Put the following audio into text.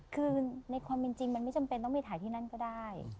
คือในความเป็นจริงมันไม่จำเป็นต้องไปถ่ายที่นั่นก็ได้